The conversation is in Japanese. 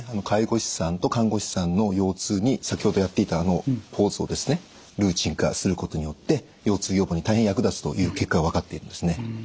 介護士さんと看護師さんの腰痛に先ほどやっていたあのポーズをですねルーチン化することによって腰痛予防に大変役立つという結果が分かっているんですね。